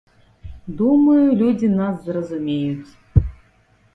Думаю, людзі нас зразумеюць.